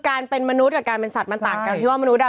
การเป็นมนุษย์กับการเป็นสัตว์มันต่างกันที่ว่ามนุษย